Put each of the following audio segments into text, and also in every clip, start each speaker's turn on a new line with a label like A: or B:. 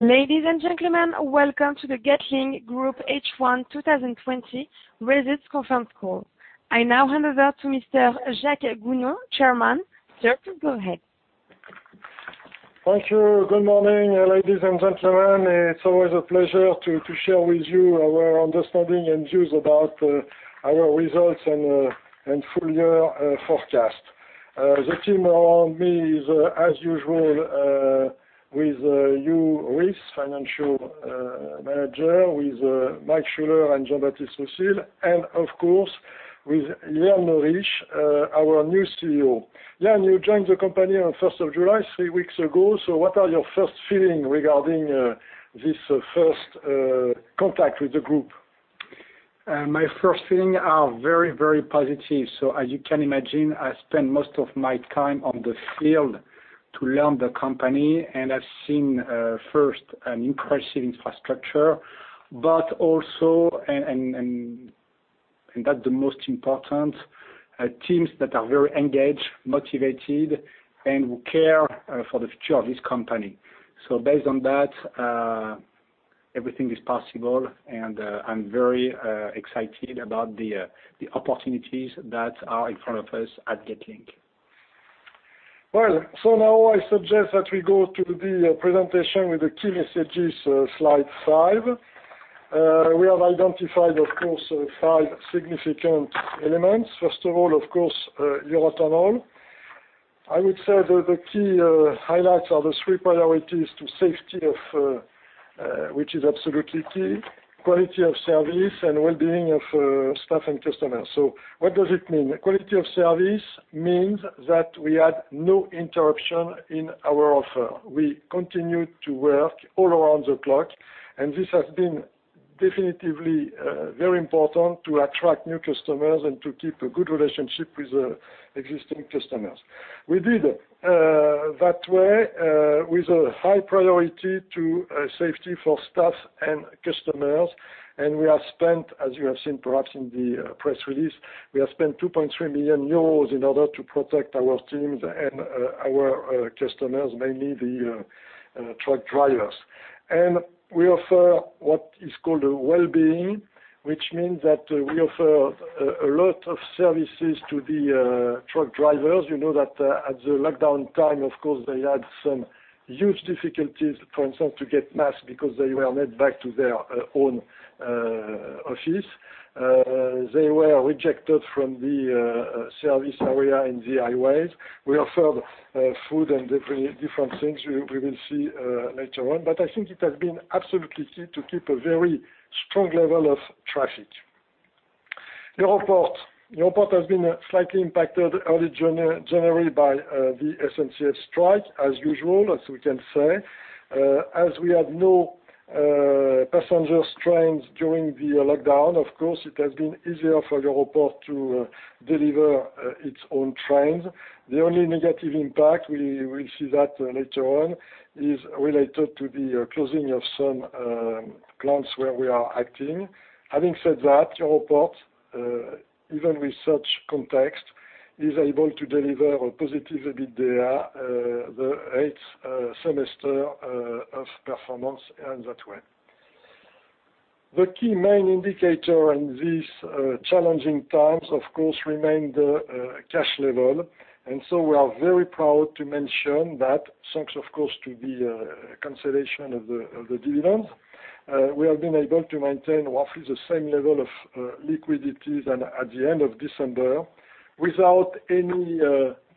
A: Ladies and gentlemen, welcome to the Getlink Group H1 2020 Results Conference Call. I now hand over to Mr. Jacques Gounon, Chairman. Sir, go ahead.
B: Thank you. Good morning, ladies and gentlemen. It's always a pleasure to share with you our understanding and views about our results and full year forecast. The team around me is, as usual with you, Ris, Financial Manager, with Mike Schuller and Jean-Baptiste Wautier, and of course, with Yann Leriche, our new CEO. Yann, you joined the company on July 1st, three weeks ago. What are your first feeling regarding this first contact with the group?
C: My first feeling are very positive. As you can imagine, I spend most of my time on the field to learn the company, and I've seen first, an impressive infrastructure, but also, and that the most important, teams that are very engaged, motivated, and who care for the future of this company. Based on that, everything is possible, and I'm very excited about the opportunities that are in front of us at Getlink.
B: Well. Now I suggest that we go to the presentation with the key messages, slide five. We have identified, of course, five significant elements. First of all, of course, Eurotunnel. I would say the key highlights are the three priorities to safety, which is absolutely key, quality of service, and well-being of staff and customers. What does it mean? Quality of service means that we had no interruption in our offer. We continued to work all around the clock, this has been definitely very important to attract new customers and to keep a good relationship with existing customers. We did that way with a high priority to safety for staff and customers. We have spent, as you have seen perhaps in the press release, we have spent 2.3 million euros in order to protect our teams and our customers, mainly the truck drivers. We offer what is called a well-being, which means that we offer a lot of services to the truck drivers. You know that at the lockdown time, of course, they had some huge difficulties, for instance, to get mask because they were not back to their own office. They were rejected from the service area in the highways. We offered food and different things we will see later on. I think it has been absolutely key to keep a very strong level of traffic. Europorte has been slightly impacted early January by the SNCF strike, as usual, as we can say. As we had no passenger trains during the lockdown, of course, it has been easier for Europorte to deliver its own trains. The only negative impact, we will see that later on, is related to the closing of some plants where we are acting. Having said that, Europorte, even with such context, is able to deliver a positive EBITDA, the eighth semester of performance in that way. The key main indicator in these challenging times, of course, remain the cash level. We are very proud to mention that, thanks of course to the cancellation of the dividends. We have been able to maintain roughly the same level of liquidities at the end of December without any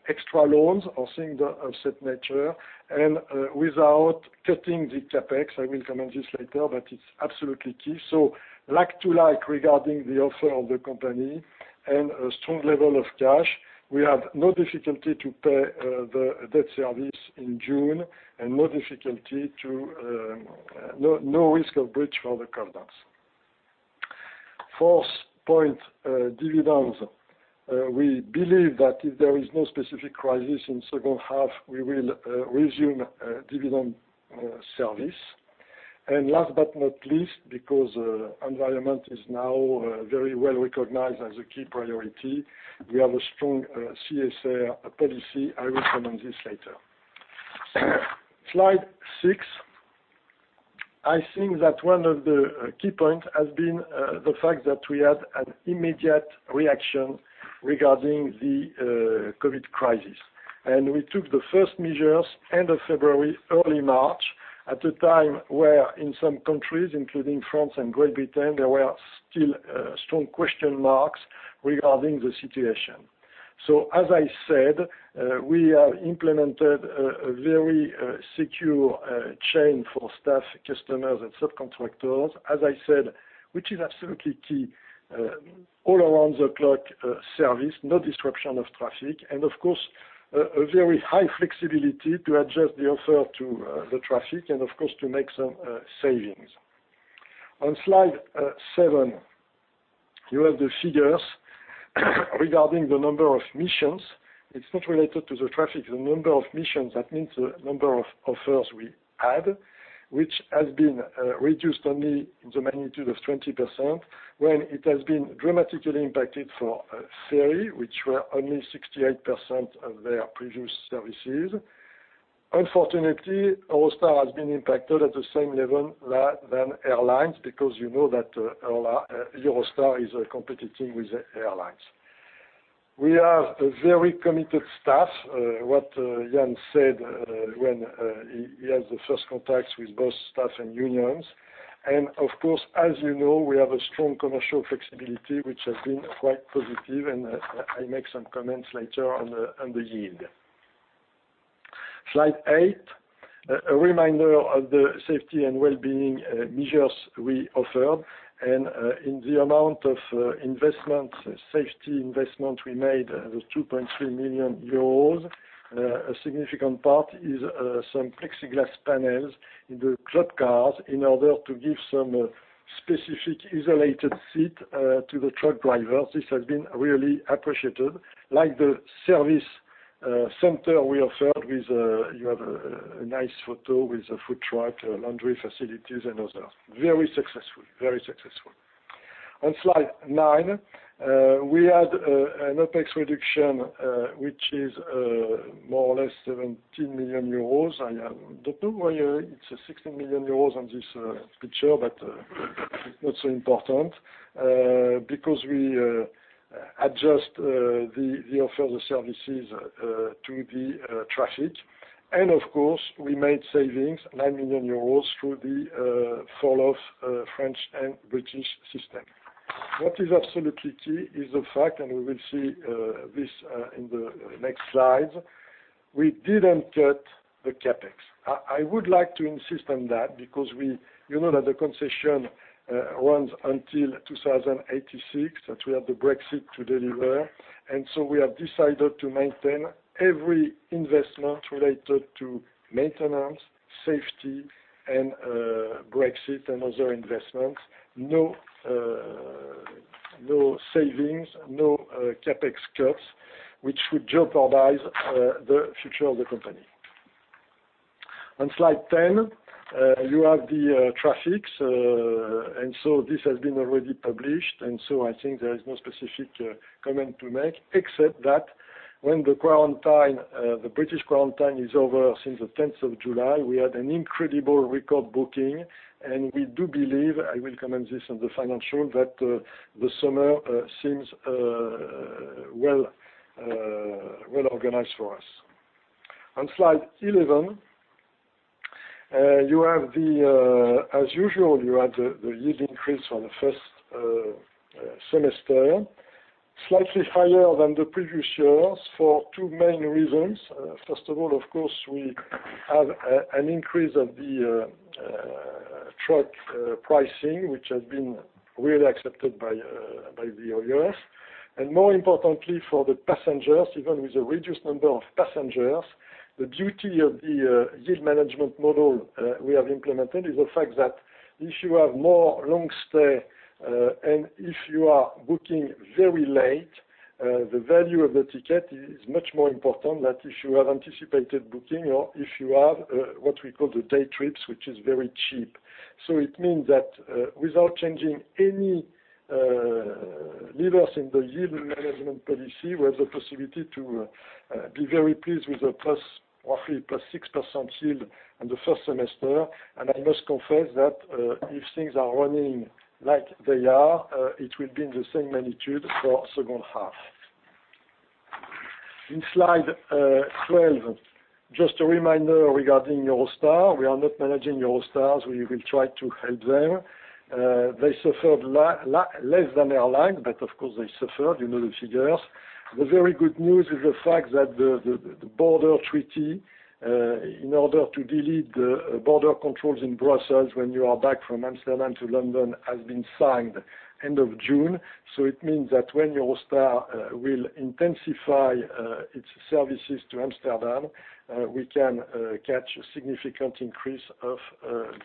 B: extra loans or things of that nature and without cutting the CapEx. I will come on this later. It's absolutely key. Like to like regarding the offer of the company and a strong level of cash, we have no difficulty to pay the debt service in June and no risk of breach of the covenants. Fourth point, dividends. We believe that if there is no specific crisis in second half, we will resume dividend service. Last but not least, because environment is now very well recognized as a key priority, we have a strong CSR policy. I will come on this later. Slide six. I think that one of the key points has been the fact that we had an immediate reaction regarding the COVID crisis. We took the first measures end of February, early March, at a time where in some countries, including France and Great Britain, there were still strong question marks regarding the situation. As I said, we have implemented a very secure chain for staff, customers and subcontractors. As I said, which is absolutely key all around the clock service, no disruption of traffic, and of course, a very high flexibility to adjust the offer to the traffic and of course, to make some savings. On slide seven, you have the figures regarding the number of missions. It's not related to the traffic. The number of missions, that means the number of offers we had, which has been reduced only in the magnitude of 20%, when it has been dramatically impacted for ferry, which were only 68% of their previous services. Unfortunately, Eurostar has been impacted at the same level than airlines, because you know that Eurostar is competing with airlines. We have a very committed staff, what Yann said when he had the first contacts with both staff and unions. Of course, as you know, we have a strong commercial flexibility, which has been quite positive, and I make some comments later on the yield. Slide eight. A reminder of the safety and wellbeing measures we offered, and in the amount of safety investment we made, the 2.3 million euros. A significant part is some plexiglass panels in the truck cars in order to give some specific isolated seat to the truck drivers. This has been really appreciated. Like the service center we offered. You have a nice photo with a food truck, laundry facilities, and others. Very successful. On slide nine, we had an OpEx reduction, which is more or less 17 million euros. I don't know why it's 16 million euros on this picture, not so important. We adjust the offer of the services to the traffic. Of course, we made savings, 9 million euros, through the fall of French and British system. What is absolutely key is the fact, and we will see this in the next slide, we didn't cut the CapEx. I would like to insist on that because you know that the concession runs until 2086, that we have the Brexit to deliver. We have decided to maintain every investment related to maintenance, safety, and Brexit, and other investments. No savings, no CapEx cuts, which would jeopardize the future of the company. On slide 10, you have the traffics. This has been already published, and so I think there is no specific comment to make, except that when the British quarantine is over since the July 10th, we had an incredible record booking, and we do believe, I will comment this on the financial, that the summer seems well organized for us. On slide 11, as usual, you have the yield increase on the first semester, slightly higher than the previous years for two main reasons. First of all, of course, we have an increase of the truck pricing, which has been really accepted by the U.S. More importantly for the passengers, even with a reduced number of passengers, the beauty of the yield management model we have implemented is the fact that if you have more long stay, if you are booking very late, the value of the ticket is much more important than if you have anticipated booking or if you have what we call the day trips, which is very cheap. It means that, without changing any levers in the yield management policy, we have the possibility to be very pleased with roughly +6% yield in the first semester. I must confess that if things are running like they are, it will be in the same magnitude for second half. In Slide 12, just a reminder regarding Eurostar. We are not managing Eurostar. We will try to help them. They suffered less than airlines, but of course, they suffered, you know the figures. The very good news is the fact that the border treaty, in order to delete the border controls in Brussels when you are back from Amsterdam to London, has been signed end of June. It means that when Eurostar will intensify its services to Amsterdam, we can catch a significant increase of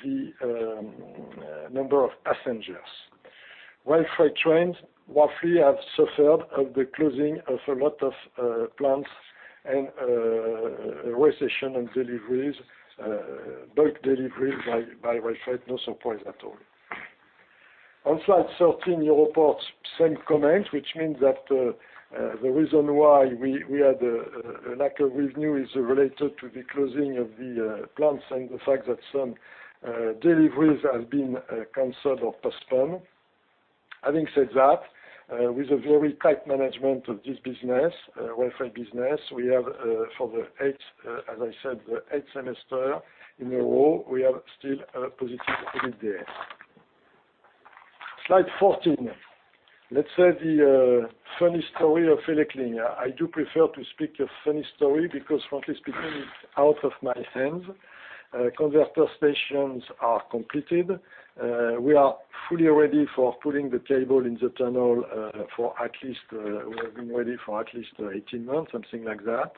B: the number of passengers. Rail freight trains roughly have suffered of the closing of a lot of plants and recession on bulk delivery by rail freight, no surprise at all. On slide 13, Europorte, same comments, which means that the reason why we had a lack of revenue is related to the closing of the plants and the fact that some deliveries have been canceled or postponed. Having said that, with a very tight management of this business, rail freight business, we have for the eighth, as I said, the eighth semester in a row, we are still positive EBITDA. Slide 14. Let's say the funny story of ElecLink. I do prefer to speak a funny story because frankly speaking, it's out of my hands. Converter stations are completed. We are fully ready for pulling the cable in the tunnel. We have been ready for at least 18 months, something like that.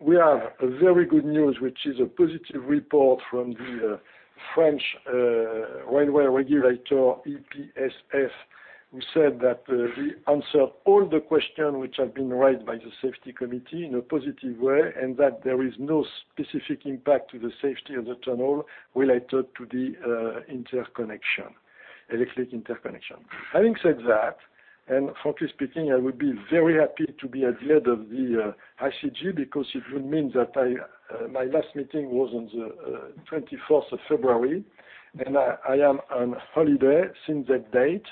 B: We have a very good news, which is a positive report from the French railway regulator, EPSF, who said that we answered all the questions which have been raised by the safety committee in a positive way, and that there is no specific impact to the safety of the tunnel related to the electric interconnection. Having said that. Frankly speaking, I would be very happy to be at the head of the IGC because it would mean that my last meeting was on the February 24th, and I am on holiday since that date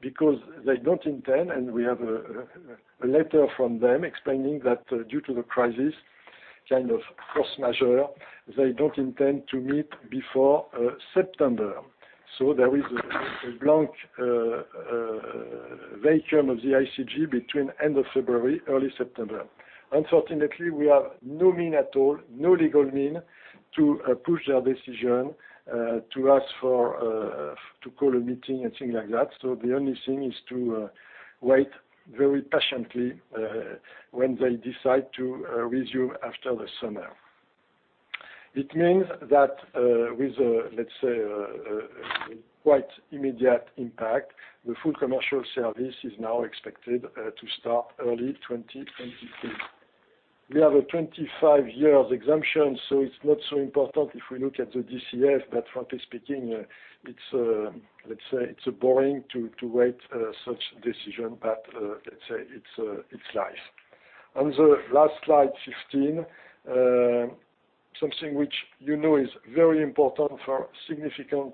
B: because they don't intend, and we have a letter from them explaining that due to the crisis, kind of force majeure, they don't intend to meet before September. There is a blank, vacuum of the IGC between end of February, early September. Unfortunately, we have no means at all, no legal means, to push their decision, to call a meeting and things like that. The only thing is to wait very patiently when they decide to resume after the summer. It means that with, let's say, a quite immediate impact, the full commercial service is now expected to start early 2023. We have a 25-year exemption, so it's not so important if we look at the DCF, but frankly speaking, let's say it's boring to wait such decision, but let's say it's life. On the last slide, 15, something which you know is very important for significant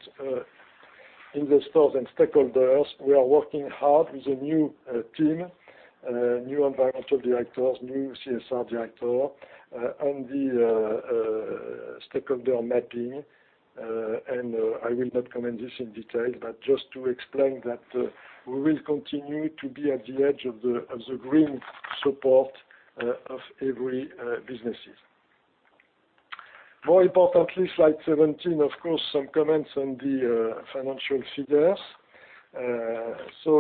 B: investors and stakeholders. We are working hard with a new team, new environmental directors, new CSR director on the stakeholder mapping. I will not comment this in detail, but just to explain that we will continue to be at the edge of the green support of every businesses. More importantly, slide 17, of course, some comments on the financial figures.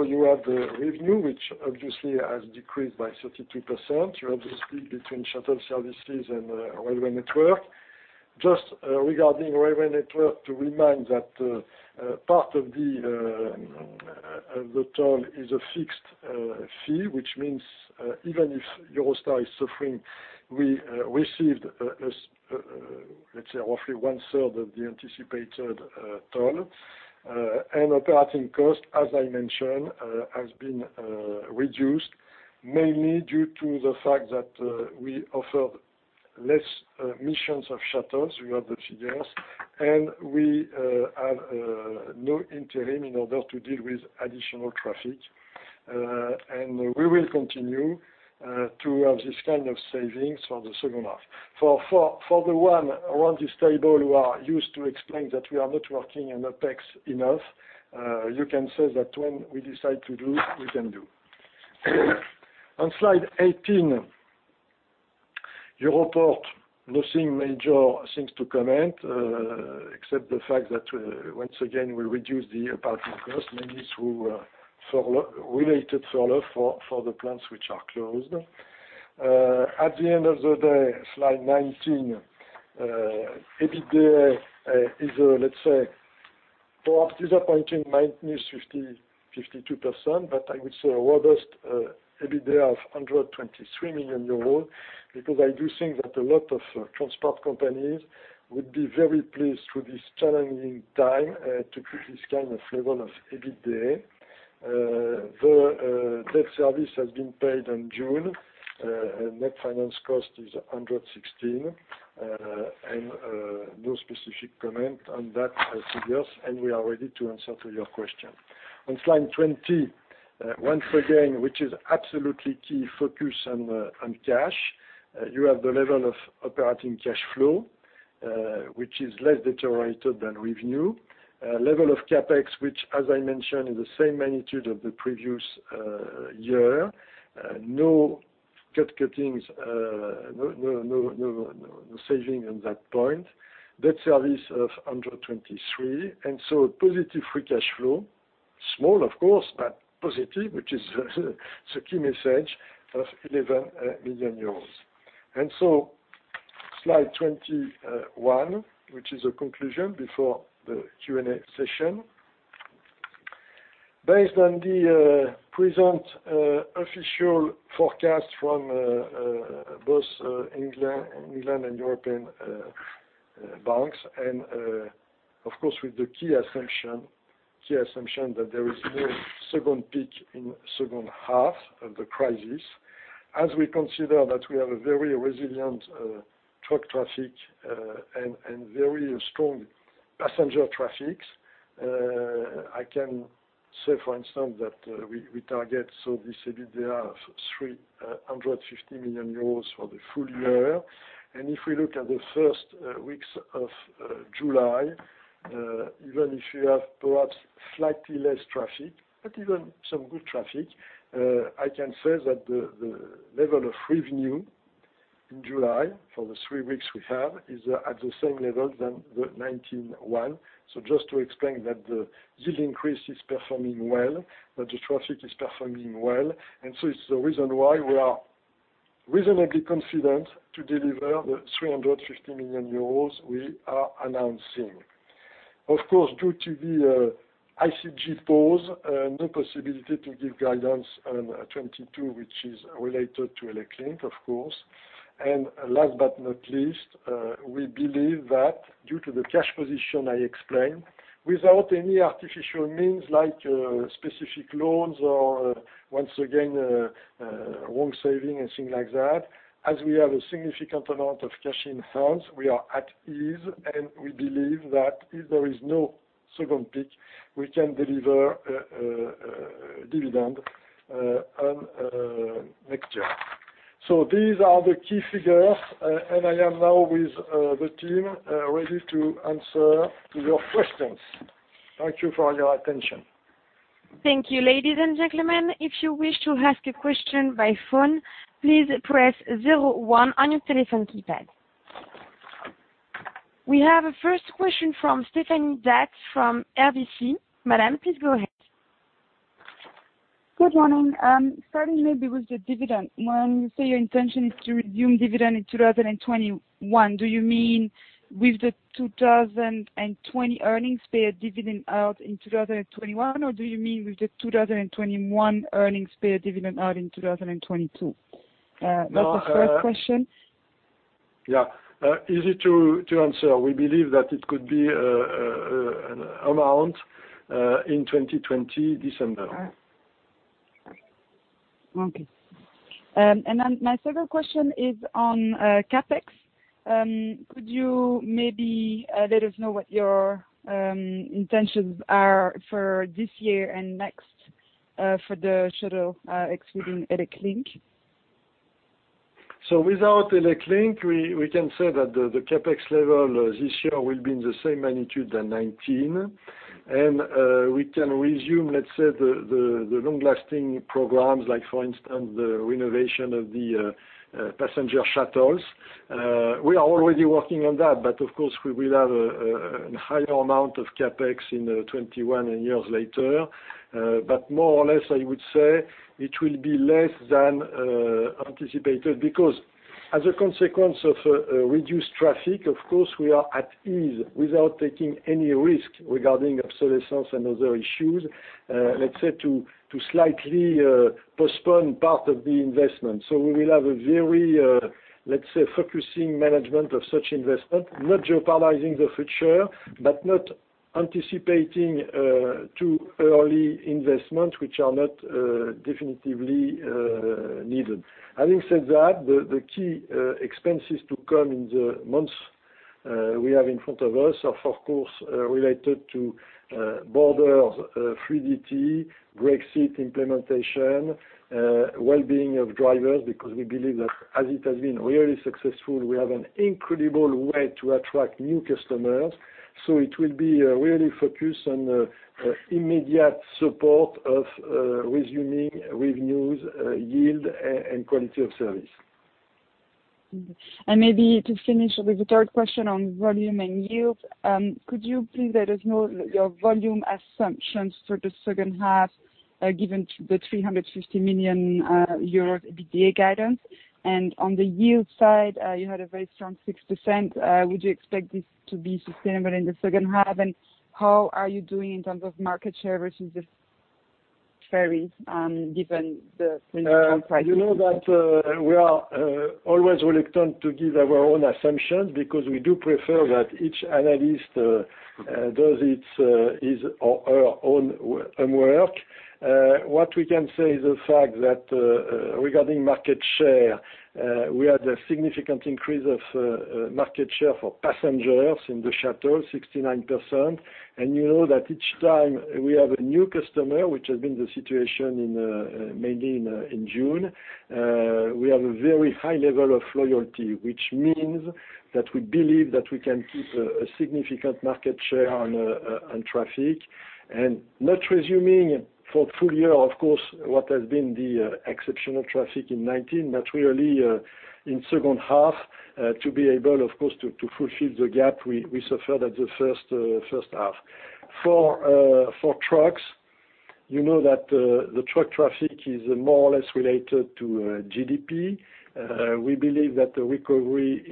B: You have the revenue, which obviously has decreased by 32%. You have the split between shuttle services and railway network. Just regarding railway network, to remind that part of the toll is a fixed fee, which means even if Eurostar is suffering, we received, let's say, roughly one-third of the anticipated toll. Operating cost, as I mentioned, has been reduced, mainly due to the fact that we offer less missions of shuttles. We have the figures, and we have no interim in order to deal with additional traffic. We will continue to have this kind of savings for the second half. For the one around this table who are used to explain that we are not working on OpEx enough, you can say that when we decide to do, we can do. On slide 18, Europorte, nothing major things to comment, except the fact that once again, we reduce the operating cost, mainly through related furlough for the plants which are closed. At the end of the day, slide 19, EBITDA is, let's say, perhaps disappointing, -52%, but I would say a robust EBITDA of 123 million euros, because I do think that a lot of transport companies would be very pleased with this challenging time to keep this kind of level of EBITDA. The debt service has been paid in June. Net finance cost is 116. No specific comment on that figures, and we are ready to answer to your question. On slide 20, once again, which is absolutely key focus on cash. You have the level of operating cash flow, which is less deteriorated than revenue. Level of CapEx, which, as I mentioned, is the same magnitude of the previous year. No cut cuttings, no saving on that point. Debt service of 123 million, positive free cash flow, small of course, but positive, which is the key message of 11 million euros. Slide 21, which is a conclusion before the Q&A session. Based on the present official forecast from both England and European banks, of course, with the key assumption that there is no second peak in second half of the crisis. As we consider that we have a very resilient truck traffic and very strong passenger traffics, I can say, for instance, that we target this EBITDA of 350 million euros for the full year. If we look at the first weeks of July, even if you have perhaps slightly less traffic, but even some good traffic, I can say that the level of revenue in July for the three weeks we have is at the same level than the 2019 one. Just to explain that the yield increase is performing well, that the traffic is performing well, it's the reason why we are reasonably confident to deliver the 350 million euros we are announcing. Of course, due to the IGC pause, no possibility to give guidance on 2022, which is related to ElecLink, of course. Last but not least, we believe that due to the cash position I explained, without any artificial means like specific loans or, once again, loan saving and things like that, as we have a significant amount of cash in hands, we are at ease and we believe that if there is no second peak, we can deliver a dividend next year. These are the key figures. I am now with the team, ready to answer to your questions. Thank you for your attention.
A: Thank you. Ladies and gentlemen, if you wish to ask a question by phone, please press zero one on your telephone keypad. We have a first question from Stéphanie D'Ath from RBC. Madam, please go ahead.
D: Good morning. Starting maybe with the dividend. When you say your intention is to resume dividend in 2021, do you mean with the 2020 earnings pay a dividend out in 2021, or do you mean with the 2021 earnings pay a dividend out in 2022? That's the first question.
B: Yeah. Easy to answer. We believe that it could be an amount in 2020 December.
D: Okay. My second question is on CapEx. Could you maybe let us know what your intentions are for this year and next, for the shuttle, excluding ElecLink?
B: Without ElecLink, we can say that the CapEx level this year will be in the same magnitude as 2019. We can resume, let's say, the long-lasting programs like, for instance, the renovation of the passenger shuttles. We are already working on that, of course, we will have a higher amount of CapEx in 2021 and years later. More or less, I would say it will be less than anticipated because as a consequence of reduced traffic, of course, we are at ease, without taking any risk regarding obsolescence and other issues, let's say, to slightly postpone part of the investment. We will have a very, let's say, focusing management of such investment, not jeopardizing the future, but not anticipating too early investment which are not definitively needed. Having said that, the key expenses to come in the months we have in front of us are, of course, related to borders, Duty-Free, Brexit implementation, wellbeing of drivers, because we believe that as it has been really successful, we have an incredible way to attract new customers. It will be really focused on immediate support of resuming revenues, yield, and quality of service.
D: Maybe to finish with the third question on volume and yield, could you please let us know your volume assumptions for the second half, given the 350 million euros EBITDA guidance? On the yield side, you had a very strong 6%. Would you expect this to be sustainable in the second half? How are you doing in terms of market share versus ferry, given the current pricing?
B: You know that we are always reluctant to give our own assumptions because we do prefer that each analyst does his or her own homework. What we can say is the fact that, regarding market share, we had a significant increase of market share for passengers in the shuttle, 69%. You know that each time we have a new customer, which has been the situation mainly in June, we have a very high level of loyalty, which means that we believe that we can keep a significant market share on traffic. Not resuming for full year, of course, what has been the exceptional traffic in 2019, but really in second half, to be able, of course, to fulfill the gap we suffered at the first half. For trucks, you know that the truck traffic is more or less related to GDP. We believe that the recovery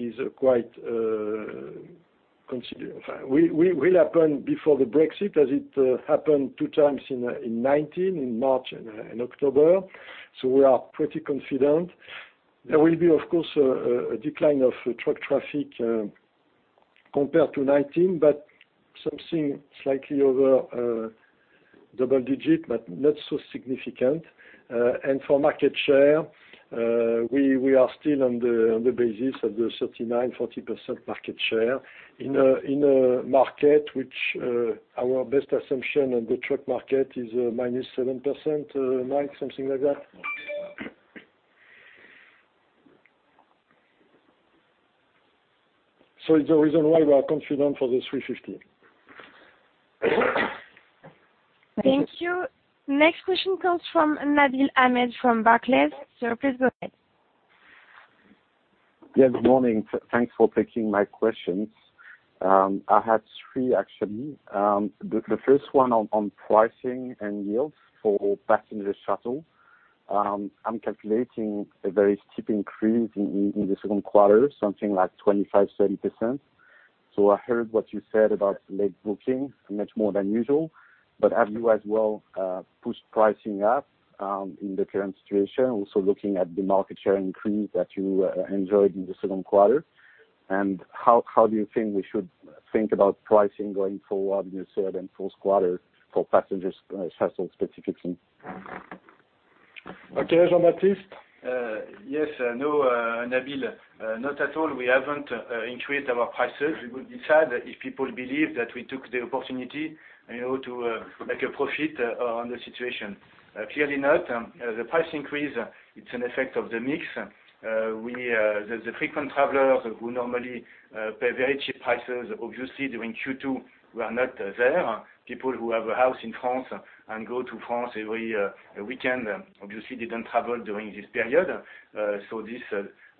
B: will happen before the Brexit, as it happened two times in 2019, in March and October. We are pretty confident. There will be, of course, a decline of truck traffic compared to 2019, but something slightly over double-digit, but not so significant. For market share, we are still on the basis of the 39%, 40% market share in a market which our best assumption on the truck market is -7%, Mike, something like that? It's the reason why we are confident for the 350.
A: Thank you. Next question comes from Nabil Ahmed from Barclays. Sir, please go ahead.
E: Yeah, good morning. Thanks for taking my questions. I had three, actually. The first one on pricing and yields for passenger shuttle. I'm calculating a very steep increase in the second quarter, something like 25%, 30%. I heard what you said about late booking, much more than usual. Have you as well pushed pricing up in the current situation? Also looking at the market share increase that you enjoyed in the second quarter, how do you think we should think about pricing going forward in the third and fourth quarters for passenger shuttle specifically?
B: Okay, Jean-Baptiste?
F: Yes. No, Nabil, not at all. We haven't increased our prices. We would be sad if people believed that we took the opportunity to make a profit on the situation. Clearly not. The price increase, it's an effect of the mix. The frequent travelers who normally pay very cheap prices, obviously during Q2, were not there. People who have a house in France and go to France every weekend, obviously didn't travel during this period. This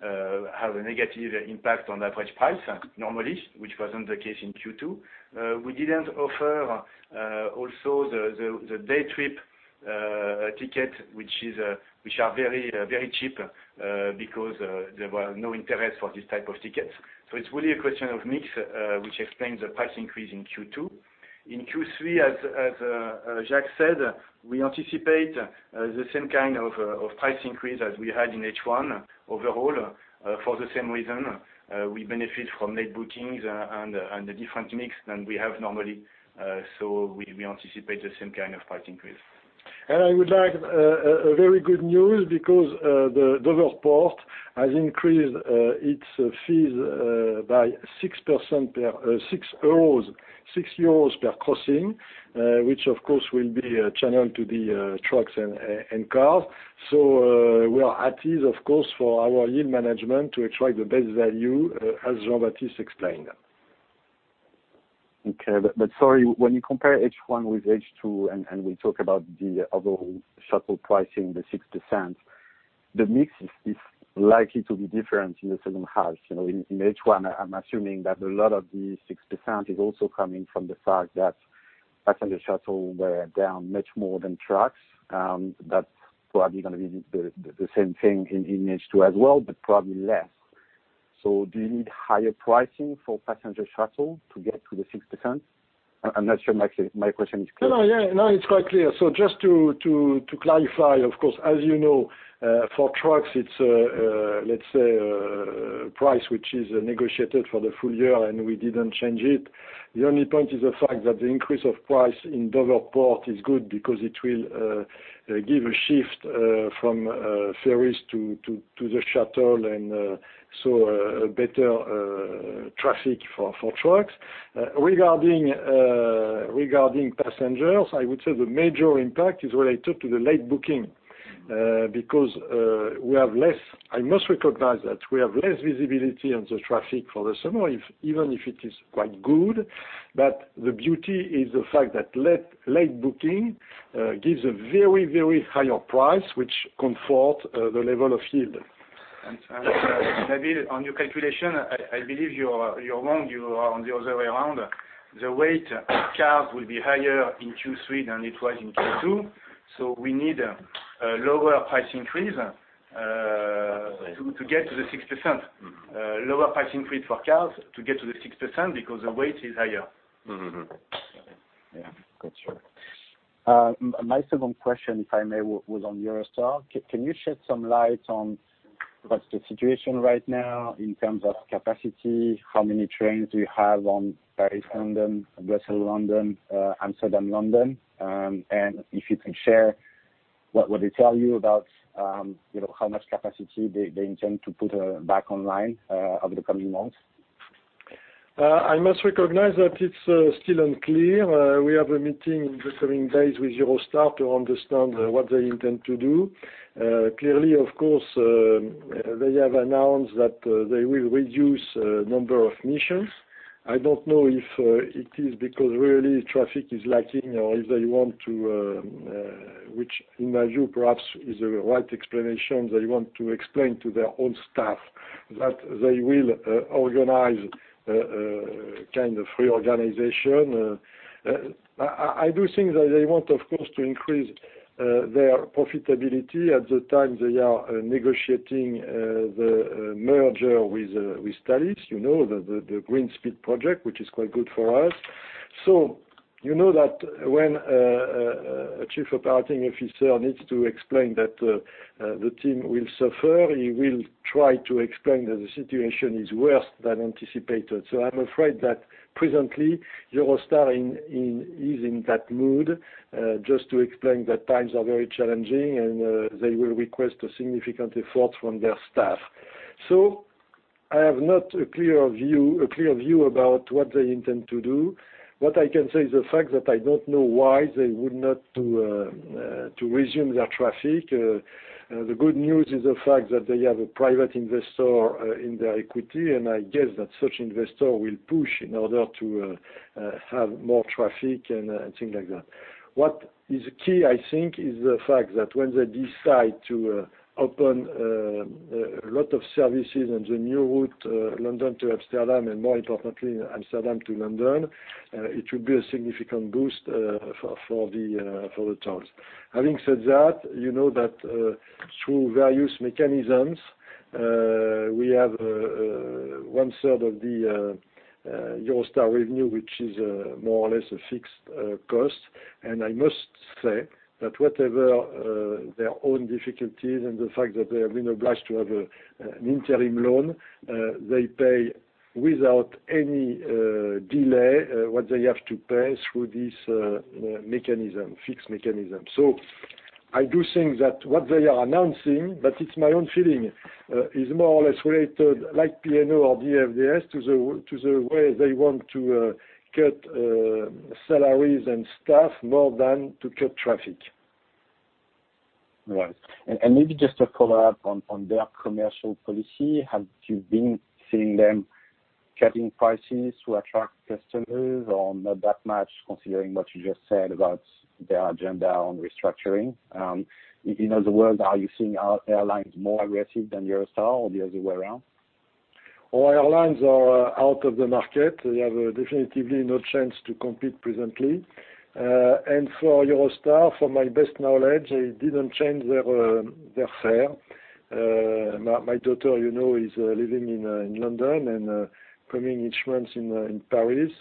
F: has a negative impact on average price, normally, which wasn't the case in Q2. We didn't offer, also, the day trip ticket, which are very cheap, because there was no interest for this type of tickets. It's really a question of mix, which explains the price increase in Q2. In Q3, as Jacques said, we anticipate the same kind of price increase as we had in H1, overall, for the same reason. We benefit from late bookings and a different mix than we have normally. We anticipate the same kind of price increase.
B: I would like very good news because the Dover Port has increased its fees by 6 euros per crossing, which, of course, will be channeled to the trucks and cars. We are at ease, of course, for our yield management to extract the best value, as Jean-Baptiste explained.
E: Okay. Sorry, when you compare H1 with H2 and we talk about the overall shuttle price in the 6%, the mix is likely to be different in the second half. In H1, I'm assuming that a lot of the 6% is also coming from the fact that passenger shuttle were down much more than trucks. That's probably going to be the same thing in H2 as well, but probably less. Do you need higher pricing for passenger shuttle to get to the 6%? I'm not sure my question is clear.
B: No, it's quite clear. Just to clarify, of course, as you know, for trucks, it's a price which is negotiated for the full year, and we didn't change it. The only point is the fact that the increase of price in Dover Port is good because it will give a shift from ferries to the shuttle, and so a better traffic for trucks. Regarding passengers, I would say the major impact is related to the late booking, because I must recognize that we have less visibility on the traffic for the summer, even if it is quite good. The beauty is the fact that late booking gives a very higher price, which comfort the level of yield.
F: Nabil, on your calculation, I believe you are wrong. You are on the other way around. The weight of cars will be higher in Q3 than it was in Q2, so we need a lower price increase to get to the 6%. Lower price increase for cars to get to the 6%, because the weight is higher.
E: Mm-hmm. Got you. My second question, if I may, was on Eurostar. Can you shed some light on what's the situation right now in terms of capacity? How many trains do you have on Paris-London, Brussels-London, Amsterdam-London? If you can share, what would it tell you about how much capacity they intend to put back online over the coming months?
B: I must recognize that it is still unclear. We have a meeting in the coming days with Eurostar to understand what they intend to do. Of course, they have announced that they will reduce number of missions. I don't know if it is because really traffic is lacking, or if they want to, which in my view perhaps is the right explanation, they want to explain to their own staff that they will organize kind of reorganization. I do think that they want, of course, to increase their profitability at the time they are negotiating the merger with Thalys, the Green Speed project, which is quite good for us. You know that when a chief operating officer needs to explain that the team will suffer, he will try to explain that the situation is worse than anticipated. I'm afraid that presently, Eurostar is in that mood, just to explain that times are very challenging and they will request a significant effort from their staff. I have not a clear view about what they intend to do. What I can say is the fact that I don't know why they would not to resume their traffic. The good news is the fact that they have a private investor in their equity, and I guess that such investor will push in order to have more traffic and things like that. What is key, I think, is the fact that when they decide to open a lot of services on the new route, London to Amsterdam, and more importantly Amsterdam to London, it will be a significant boost for the tunnels. Having said that, you know that through various mechanisms. We have 1/3 of the Eurostar revenue, which is more or less a fixed cost. I must say that whatever their own difficulties and the fact that they have been obliged to have an interim loan, they pay without any delay what they have to pay through this fixed mechanism. I do think that what they are announcing, but it's my own feeling, is more or less related, like P&O or DFDS, to the way they want to cut salaries and staff more than to cut traffic.
E: Right. Maybe just to follow up on their commercial policy, have you been seeing them cutting prices to attract customers or not that much, considering what you just said about their agenda on restructuring? In other words, are you seeing airlines more aggressive than Eurostar or the other way around?
B: Well, airlines are out of the market. They have definitively no chance to compete presently. For Eurostar, from my best knowledge, they didn't change their fare. My daughter is living in London and coming each month in Paris,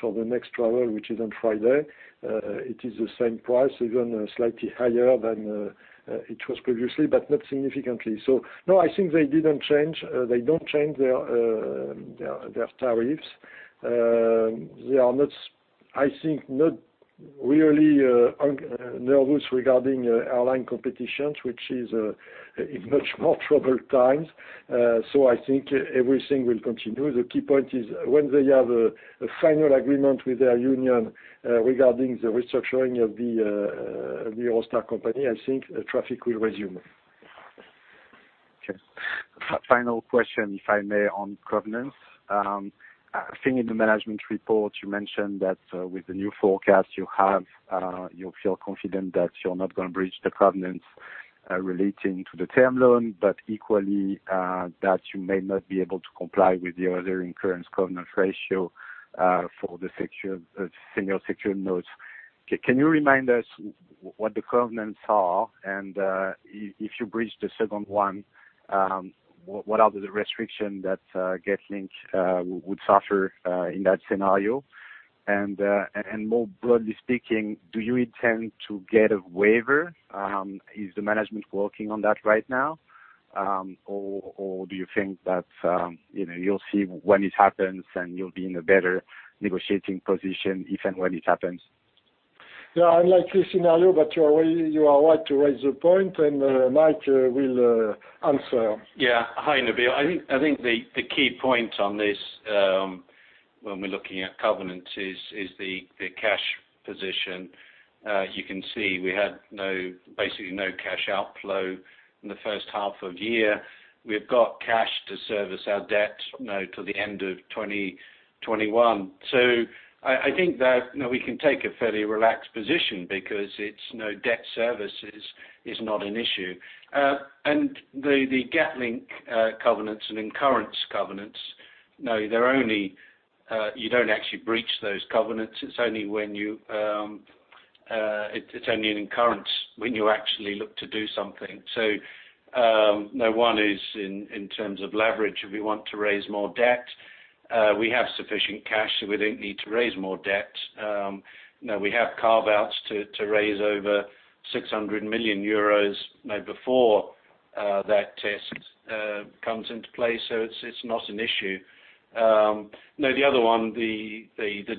B: for the next travel, which is on Friday it is the same price, even slightly higher than it was previously, but not significantly. No, I think they don't change their tariffs. They are, I think, not really nervous regarding airline competitions, which is in much more troubled times. I think everything will continue. The key point is when they have a final agreement with their union regarding the restructuring of the Eurostar company, I think traffic will resume.
E: Okay. Final question, if I may, on covenants. I think in the management report, you mentioned that with the new forecast you have, you feel confident that you're not going to breach the covenants relating to the term loan, but equally, that you may not be able to comply with the other incurrence covenant ratio for the senior secured notes. Can you remind us what the covenants are? If you breach the second one, what are the restrictions that Getlink would suffer in that scenario? More broadly speaking, do you intend to get a waiver? Is the management working on that right now? Do you think that you'll see when it happens and you'll be in a better negotiating position if and when it happens?
B: Yeah, I like this scenario, but you are right to raise the point, and Mike will answer.
G: Hi, Nabil. I think the key point on this, when we're looking at covenants, is the cash position. As you can see, we had basically no cash outflow in the first half of the year. We've got cash to service our debt now to the end of 2021. I think that we can take a fairly relaxed position because debt service is not an issue. The Getlink covenants and incurrence covenants, you don't actually breach those covenants. It's only an incurrence when you actually look to do something. One is in terms of leverage, if we want to raise more debt. We have sufficient cash, we don't need to raise more debt. We have carve-outs to raise over 600 million euros before that test comes into play, it's not an issue. The other one, the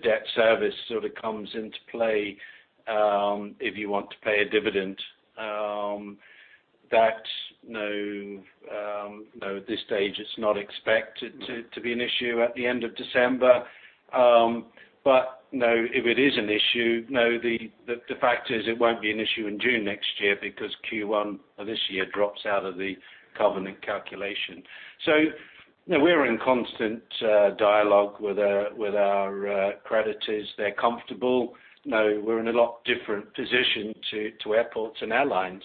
G: debt service sort of comes into play if you want to pay a dividend. That, at this stage, it's not expected to be an issue at the end of December. If it is an issue, the fact is it won't be an issue in June next year because Q1 of this year drops out of the covenant calculation. We're in constant dialogue with our creditors. They're comfortable. We're in a lot different position to airports and airlines.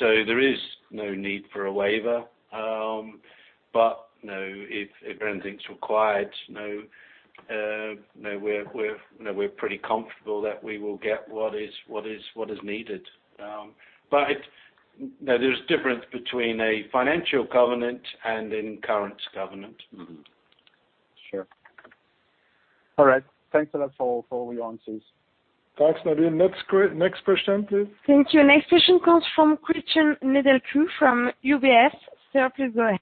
G: There is no need for a waiver. If anything's required, we're pretty comfortable that we will get what is needed. There's a difference between a financial covenant and an incurrence covenant.
E: Mm-hmm. Sure. All right. Thanks a lot for all your answers.
B: Thanks, Nabil. Next question, please.
A: Thank you. Next question comes from Cristian Nedelcu from UBS. Sir, please go ahead.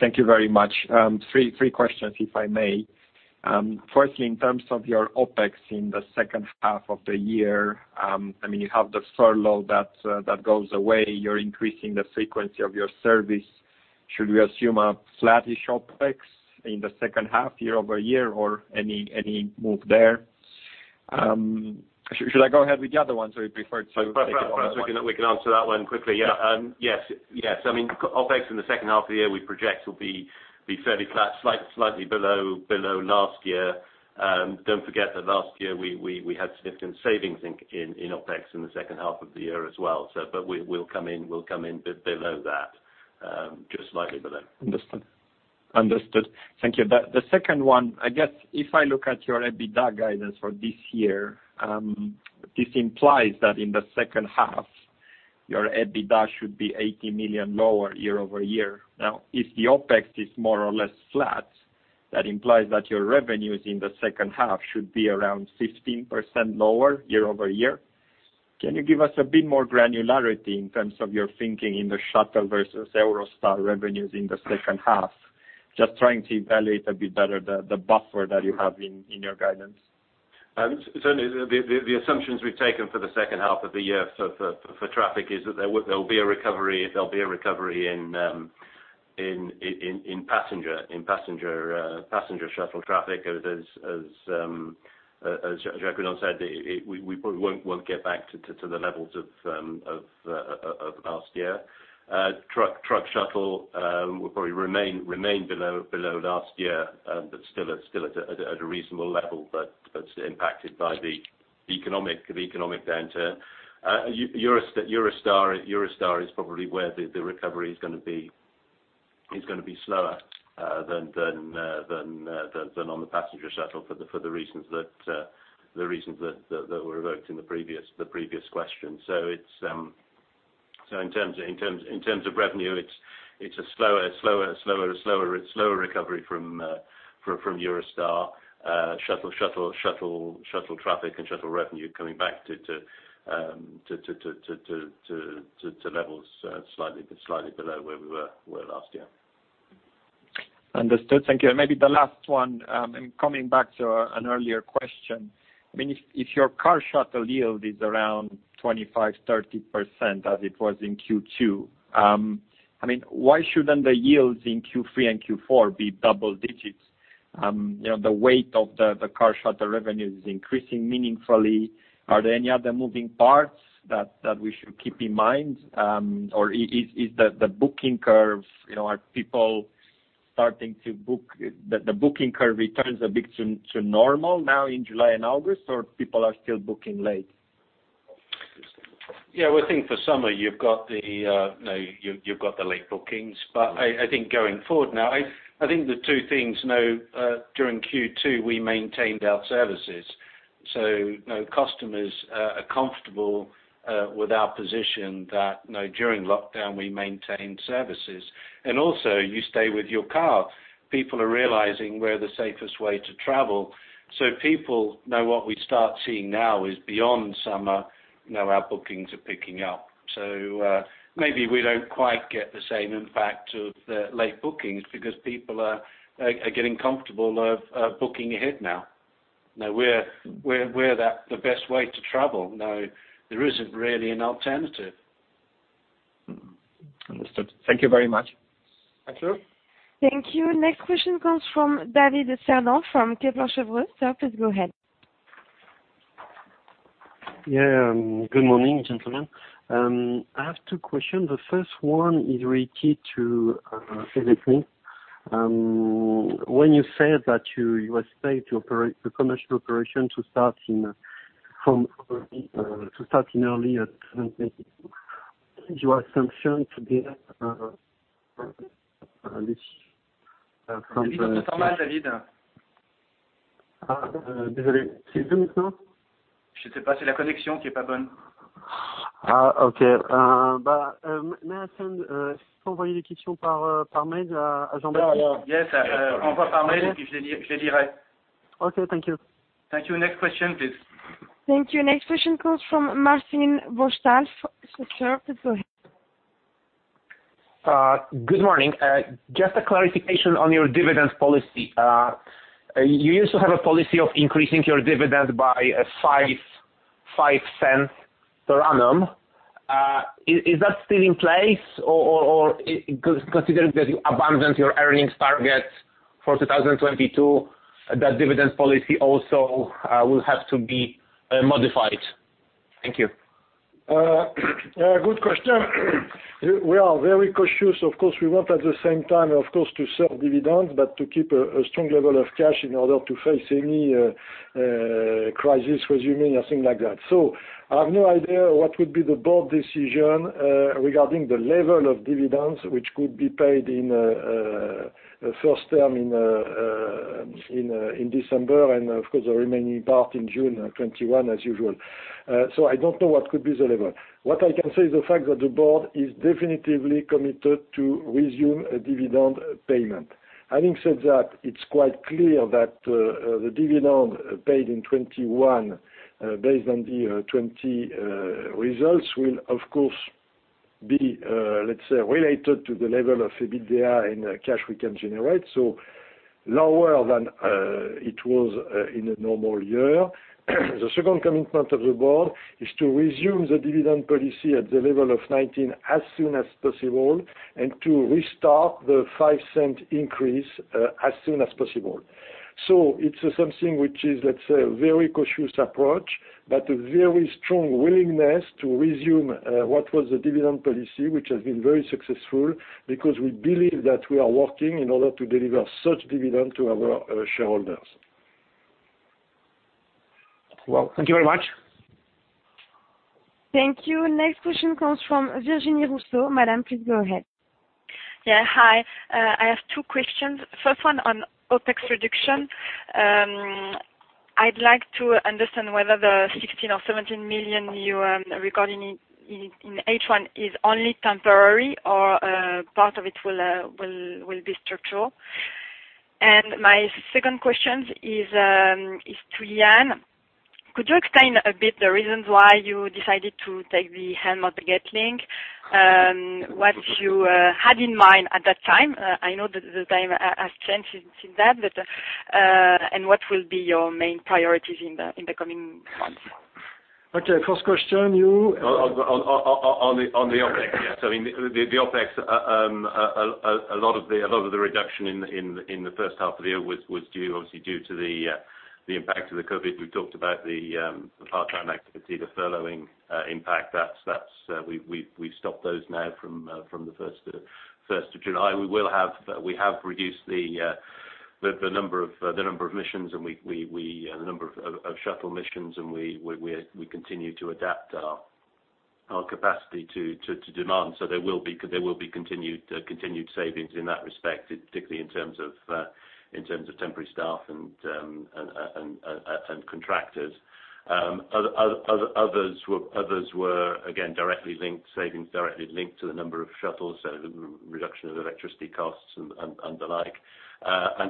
H: Thank you very much. Three questions, if I may. Firstly, in terms of your OpEx in the second half of the year, you have the furlough that goes away. You're increasing the frequency of your service. Should we assume a flattish OpEx in the second half year-over-year or any move there? Should I go ahead with the other ones, or would you prefer to take it one at a time?
G: We can answer that one quickly. Yes. OpEx in the second half of the year, we project will be fairly flat, slightly below last year. Don't forget that last year, we had significant savings in OpEx in the second half of the year as well. We'll come in a bit below that. Just slightly below.
H: Understood. Thank you. The second one, I guess if I look at your EBITDA guidance for this year, this implies that in the second half, your EBITDA should be 80 million lower year-over-year. If the OpEx is more or less flat, that implies that your revenues in the second half should be around 15% lower year-over-year. Can you give us a bit more granularity in terms of your thinking in the Shuttle versus Eurostar revenues in the second half? Just trying to evaluate a bit better the buffer that you have in your guidance.
I: Certainly. The assumptions we've taken for the second half of the year for traffic is that there will be a recovery in passenger shuttle traffic. As Jacques said, we probably won't get back to the levels of last year. Truck shuttle will probably remain below last year, but still at a reasonable level, but it's impacted by the economic downturn. Eurostar is probably where the recovery is going to be slower than on the passenger shuttle for the reasons that were evoked in the previous question. In terms of revenue, it's a slower recovery from Eurostar, with shuttle traffic and shuttle revenue coming back to levels slightly below where we were last year.
H: Understood. Thank you. Maybe the last one, coming back to an earlier question. If your car shuttle yield is around 25%-30% as it was in Q2, why shouldn't the yields in Q3 and Q4 be double digits? The weight of the car shuttle revenues is increasing meaningfully. Are there any other moving parts that we should keep in mind? The booking curve returns a bit to normal now in July and August, or people are still booking late?
G: Yeah, I think for summer you've got the late bookings. Going forward now, I think the two things now, during Q2, we maintained our services. Now customers are comfortable with our position that now during lockdown we maintain services. Also you stay with your car. People are realizing we're the safest way to travel. People now what we start seeing now is beyond summer, our bookings are picking up. Maybe we don't quite get the same impact of the late bookings because people are getting comfortable of booking ahead now. Now we're the best way to travel now. There isn't really an alternative.
H: Understood. Thank you very much.
G: Thank you.
A: Thank you. Next question comes from David Sarnoff from Kepler Cheuvreux. Sir, please go ahead.
J: Yeah. Good morning, gentlemen. I have two question. The first one is related to Getlink. When you said that you are expected to operate the commercial operation to start in early 2022, your assumption to. Okay.
I: Yes.
J: Okay. Thank you.
I: Thank you. Next question please.
A: Thank you. Next question comes from Martin Rostalf. Sir, please go ahead.
K: Good morning. Just a clarification on your dividend policy. You used to have a policy of increasing your dividend by 0.05 per annum. Is that still in place? Considering that you abandoned your earnings target for 2022, that dividend policy also will have to be modified? Thank you.
B: Good question. We are very cautious. Of course, we want at the same time, of course, to serve dividends, but to keep a strong level of cash in order to face any crisis resuming, a thing like that. I have no idea what would be the board decision regarding the level of dividends, which could be paid in first term in December, and of course, the remaining part in June of 2021 as usual. I don't know what could be the level. What I can say is the fact that the board is definitively committed to resume a dividend payment. Having said that, it's quite clear that the dividend paid in 2021, based on the 2020 results, will of course be, let's say, related to the level of EBITDA and cash we can generate, so lower than it was in a normal year. The second commitment of the board is to resume the dividend policy at the level of 2019 as soon as possible and to restart the 0.05 increase as soon as possible. It's something which is, let's say, a very cautious approach, but a very strong willingness to resume what was the dividend policy, which has been very successful because we believe that we are working in order to deliver such dividend to our shareholders.
K: Well, thank you very much.
A: Thank you. Next question comes from Virginie Rousseau. Madam, please go ahead.
L: Yeah. Hi. I have two questions. First one on OpEx reduction. I'd like to understand whether the 16 million or 17 million you are recording in H1 is only temporary or part of it will be structural. My second question is to Yann. Could you explain a bit the reasons why you decided to take the helm of Getlink? What you had in mind at that time? I know that the time has changed since that, and what will be your main priorities in the coming months?
B: Okay. First question, you.
I: On the OpEx. Yes. The OpEx, a lot of the reduction in the first half of the year was obviously due to the impact of the COVID. We've talked about the part-time activity, the furloughing impact. We've stopped those now from the first of July. We have reduced the number of missions and the number of shuttle missions. We continue to adapt our capacity to demand. There will be continued savings in that respect, particularly in terms of temporary staff and contractors. Others were, again, savings directly linked to the number of shuttles. The reduction of electricity costs and the like.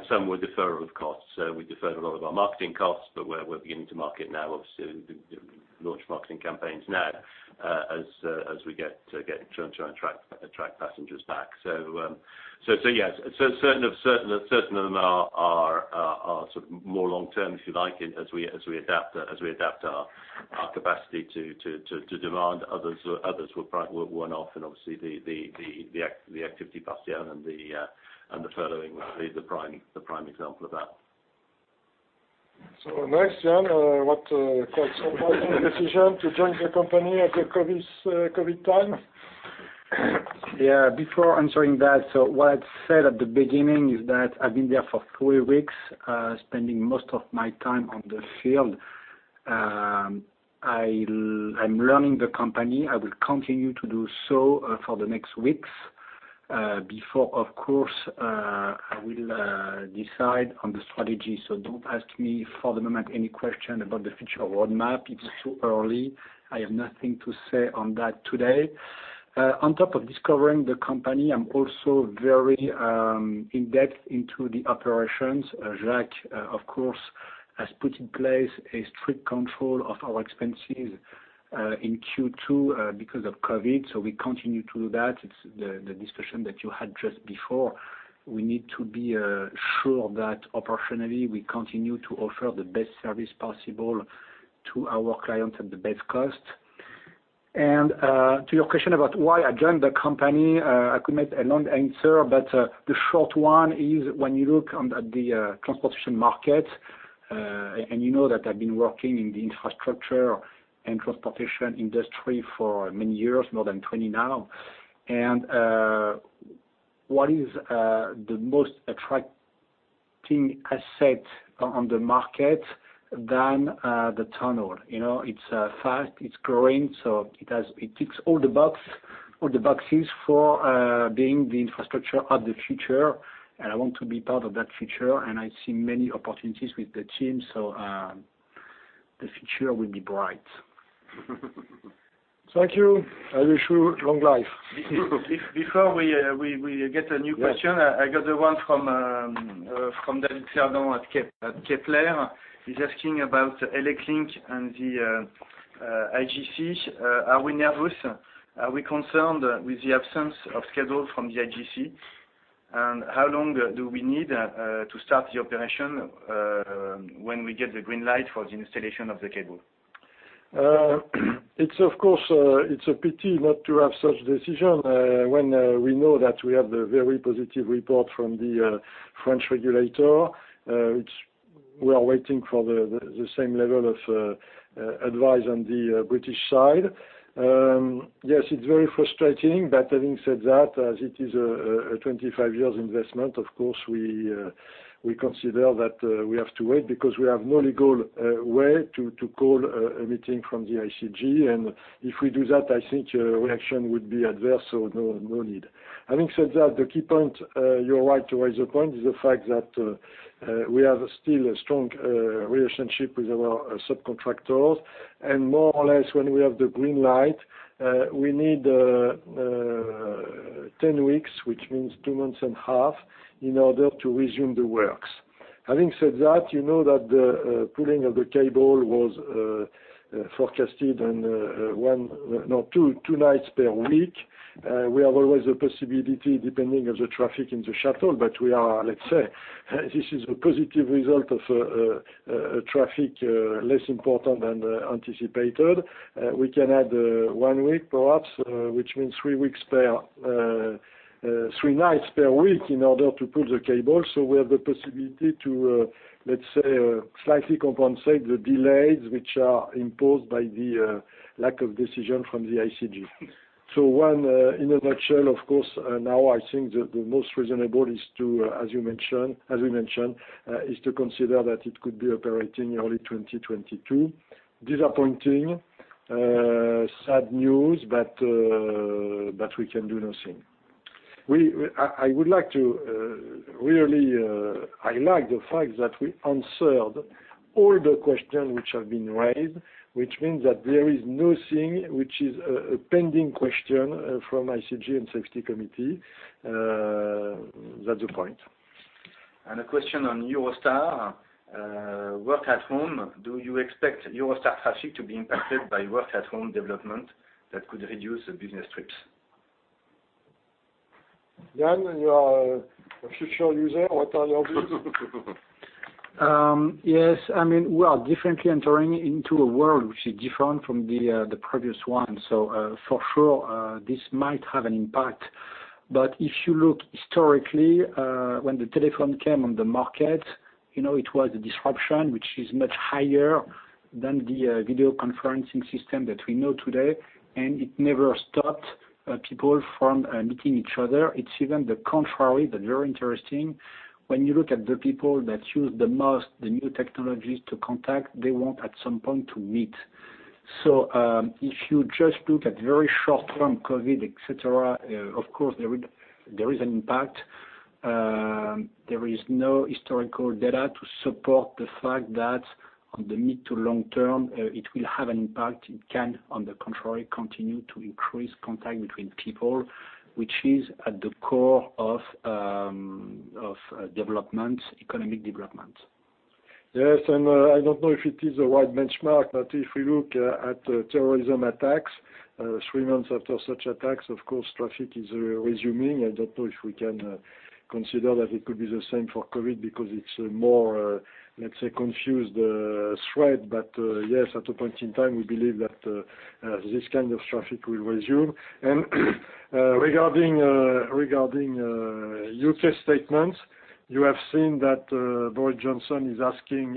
I: Some were deferral of costs. We deferred a lot of our marketing costs. We're beginning to market now, obviously, launch marketing campaigns now as we get to try and attract passengers back. Yes, certain of them are more long-term, if you like, as we adapt our capacity to demand. Others were one-off and obviously, the Activity-Based Pay and the furloughing is the prime example of that.
B: Next, Yann, what caused the decision to join the company at the COVID time?
C: Yeah. Before answering that, so what I'd said at the beginning is that I've been there for three weeks, spending most of my time on the field. I'm learning the company. I will continue to do so for the next weeks before, of course, I will decide on the strategy. Don't ask me for the moment any question about the future roadmap. It is too early. I have nothing to say on that today. On top of discovering the company, I'm also very in-depth into the operations. Jacques, of course, has put in place a strict control of our expenses in Q2 because of COVID, so we continue to do that. It's the discussion that you had just before. We need to be sure that operationally, we continue to offer the best service possible to our clients at the best cost. To your question about why I joined the company, I could make a long answer, but the short one is when you look at the transportation market, and you know that I've been working in the infrastructure and transportation industry for many years, more than 20 now, and what is the most attracting asset on the market than the tunnel? It's fast, it's growing, so it ticks all the boxes for being the infrastructure of the future, and I want to be part of that future, and I see many opportunities with the team, so the future will be bright.
B: Thank you. I wish you long life.
I: Before we get a new question, I got one from David Feraud at Kepler. He's asking about ElecLink and the IGC. Are we nervous? Are we concerned with the absence of schedule from the IGC? How long do we need to start the operation when we get the green light for the installation of the cable?
B: Of course, it's a pity not to have such decision when we know that we have the very positive report from the French regulator, which we are waiting for the same level of advice on the British side. Yes, it's very frustrating, but having said that, as it is a 25 years investment, of course, we consider that we have to wait because we have no legal way to call a meeting from the IGC, and if we do that, I think reaction would be adverse, so no need. Having said that, the key point, you're right to raise the point, is the fact that we have still a strong relationship with our subcontractors. More or less when we have the green light, we need 10 weeks, which means two months and half, in order to resume the works. Having said that, you know that the pulling of the cable was forecasted in two nights per week. We have always the possibility, depending on the traffic in the shuttle, but we are, let's say, this is a positive result of traffic less important than anticipated. We can add one week perhaps, which means three nights per week in order to pull the cable. We have the possibility to, let's say, slightly compensate the delays which are imposed by the lack of decision from the IGC. One, in a nutshell, of course, now I think the most reasonable is to, as we mentioned, is to consider that it could be operating early 2022. Disappointing, sad news. We can do nothing. I would like to really highlight the fact that we answered all the questions which have been raised, which means that there is nothing which is a pending question from IGC and Safety Committee. That's the point.
I: A question on Eurostar, work at home. Do you expect Eurostar traffic to be impacted by work-at-home development that could reduce business trips?
B: Yann, you are a future user. What are your views?
C: Yes. We are definitely entering into a world which is different from the previous one. For sure this might have an impact, but if you look historically, when the telephone came on the market, it was a disruption which is much higher than the video conferencing system that we know today, and it never stopped people from meeting each other. It's even the contrary that's very interesting. When you look at the people that use the most, the new technologies to contact, they want at some point to meet. If you just look at very short-term COVID, et cetera, of course, there is an impact. There is no historical data to support the fact that on the mid to long term, it will have an impact. It can, on the contrary, continue to increase contact between people, which is at the core of economic development.
B: Yes, I don't know if it is a right benchmark, but if we look at terrorism attacks, three months after such attacks, of course, traffic is resuming. I don't know if we can consider that it could be the same for COVID because it's a more, let's say, confused threat. Yes, at a point in time, we believe that this kind of traffic will resume. Regarding U.K. statements, you have seen that Boris Johnson is asking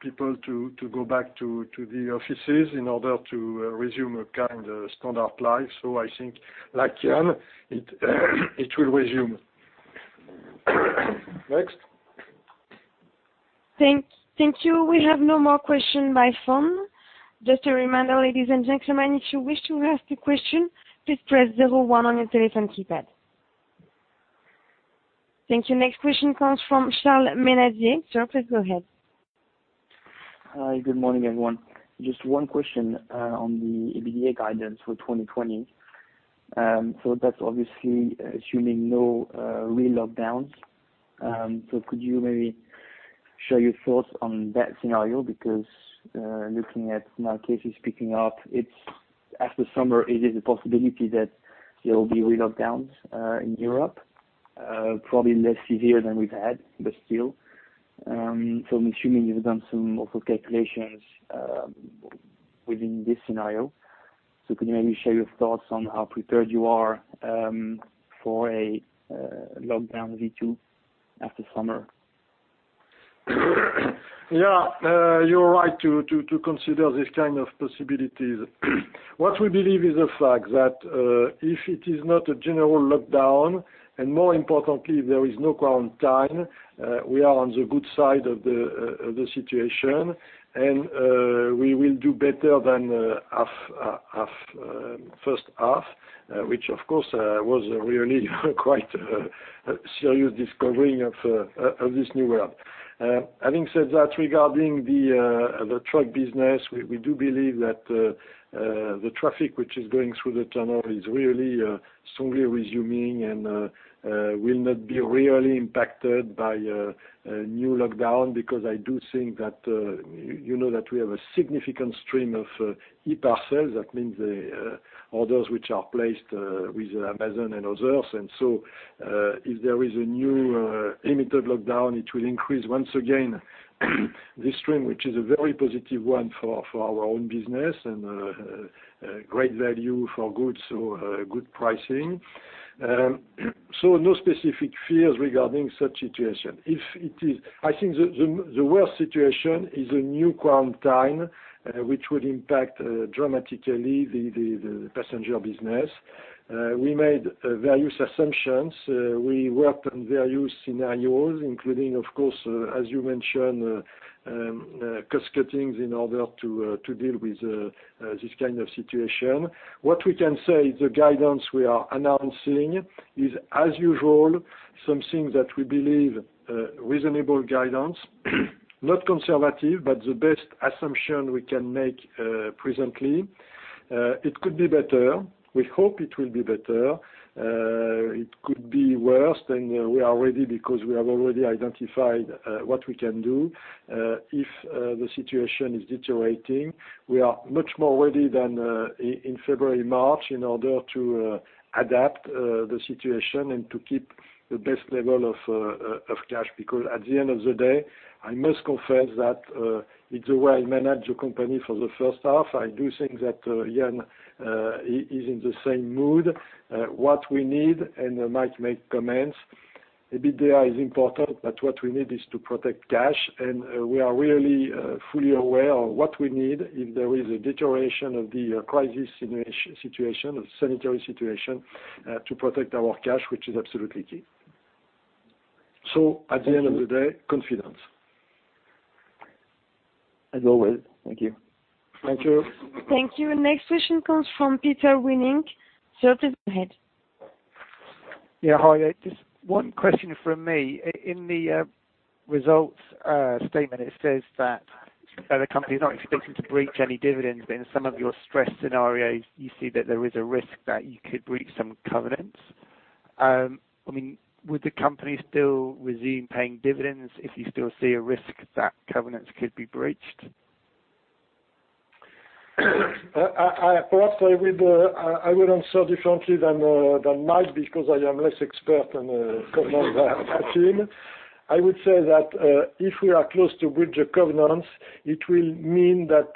B: people to go back to the offices in order to resume a kind of standard life. I think, like Yann, it will resume. Next.
A: Thank you. We have no more question by phone. Just a reminder, ladies and gentlemen, if you wish to ask a question, please press zero one on your telephone keypad. Thank you. Next question comes from Charles Menatti. Sir, please go ahead.
M: Hi, good morning, everyone. Just one question on the EBITDA guidance for 2020. That's obviously assuming no re-lockdowns. Could you maybe share your thoughts on that scenario? Because looking at now cases picking up, after summer, it is a possibility that there will be re-lockdowns in Europe, probably less severe than we've had, but still. I'm assuming you've done some also calculations within this scenario. Could you maybe share your thoughts on how prepared you are for a lockdown V2 after summer?
B: Yeah, you're right to consider this kind of possibilities. What we believe is a fact that if it is not a general lockdown, and more importantly, there is no quarantine, we are on the good side of the situation, and we will do better than first half, which of course, was really quite a serious discovering of this new world. Having said that, regarding the truck business, we do believe that the traffic which is going through the tunnel is really strongly resuming and will not be really impacted by a new lockdown because I do think that you know that we have a significant stream of e-parcels. That means the orders which are placed with Amazon and others. If there is a new limited lockdown, it will increase once again this stream, which is a very positive one for our own business and great value for goods, so good pricing. No specific fears regarding such situation. I think the worst situation is a new quarantine, which would impact dramatically the passenger business. We made various assumptions. We worked on various scenarios, including, of course, as you mentioned, cost cuttings in order to deal with this kind of situation. What we can say, the guidance we are announcing is, as usual, something that we believe reasonable guidance, not conservative, but the best assumption we can make presently. It could be better. We hope it will be better. It could be worse, then we are ready because we have already identified what we can do if the situation is deteriorating. We are much more ready than in February, March, in order to adapt the situation and to keep the best level of cash. At the end of the day, I must confess that it's the way I manage the company for the first half. I do think that Yann is in the same mood. What we need, and I might make comments, EBITDA is important, but what we need is to protect cash, and we are really fully aware of what we need if there is a deterioration of the crisis situation, of sanitary situation, to protect our cash, which is absolutely key. At the end of the day, confidence.
M: As always. Thank you.
B: Thank you.
A: Thank you. Next question comes from Peter Witting, Société Générale.
N: Yeah. Hi there. Just one question from me. In the results statement, it says that the company is not expecting to breach any dividends, but in some of your stress scenarios, you see that there is a risk that you could breach some covenants. Would the company still resume paying dividends if you still see a risk that covenants could be breached?
B: Perhaps I will answer differently than Mike, because I am less expert on the covenants than him. I would say that if we are close to breach of covenants, it will mean that